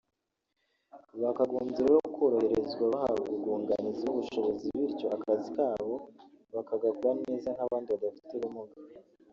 Bakagombye rero koroherezwa bahabwa ubwunganizi n’ubushobozi bityo akazi kabo bakagakora neza nk’abandi badafite ubumuga”